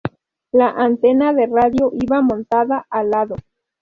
La antena de radio iba montada al lado.